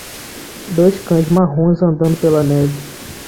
Dois cães marrons andando pela neve.